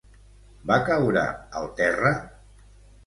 Va caure al terra?